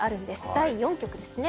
第４局ですね。